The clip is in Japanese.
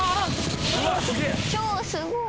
今日すごい。